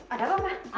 ada apa ma